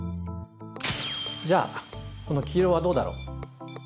じゃあこの黄色はどうだろう？